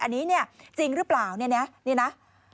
อันนี้เนี่ยจริงหรือเปล่าเนี่ยนะนี่นะ